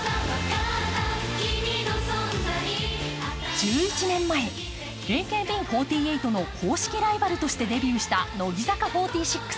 １１年前、ＡＫＢ４８の公式ライバルとしてデビューした乃木坂４６。